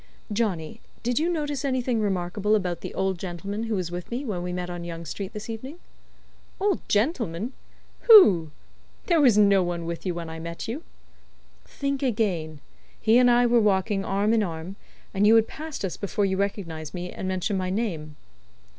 "Johnny, did you notice anything remarkable about the old gentleman who was with me when we met on Young Street this evening?" "Old gentleman! who? There was no one with you when I met you." "Think again, He and I were walking arm in arm, and you had passed us before you recognized me, and mentioned my name."